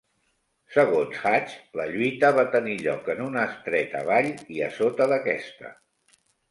Segons Hatch, la lluita va tenir lloc en una estreta vall i a sota d'aquesta.